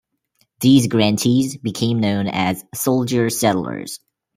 These grantees became known as "soldier settlers".